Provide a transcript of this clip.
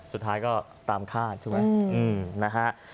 สุดท้ายก็ตามคาดใช่ไหมนะฮะ